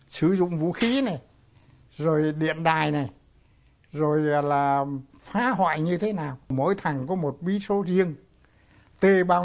thủ của nước ký này rồi điện đài này rồi là phá hoại như thế nào mỗi thằng có một ví số riêng t bao